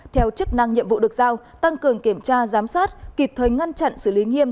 theo chức năng nhiệm vụ được giao tăng cường kiểm tra giám sát kịp thời ngăn chặn xử lý nghiêm